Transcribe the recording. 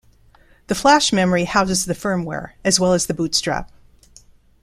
The flash memory houses the firmware as well as the bootstrap.